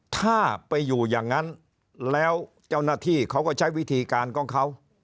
ถ้าไปอยู่อย่างนั้นแล้วเจ้าหน้าที่เขาก็ใช้วิธีการของเขา